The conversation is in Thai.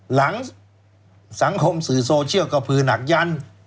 หลังสังคมสื่อโซเชียลกระพือหนักยัน